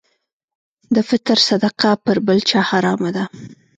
د فطر صدقه پر بل چا حرامه ده.